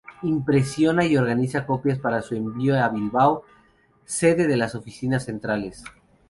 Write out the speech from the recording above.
Impresiona y organiza copias para su envío a Bilbao, sede de las oficinas centrales.